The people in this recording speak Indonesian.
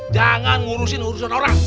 jangan ngurusin urusan orang